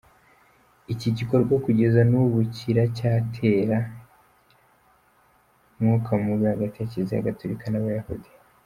Iki gikorwa kugeza n’ubu kiracyatera umwuka mubi hagati ya kiriziya gatolika n’abayahudi.